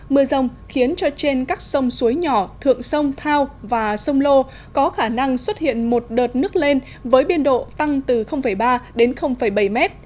mưa rông khiến cho trên các sông suối nhỏ thượng sông thao và sông lô có khả năng xuất hiện một đợt nước lên với biên độ tăng từ ba đến bảy m